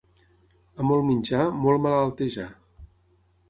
A molt menjar, molt malaltejar.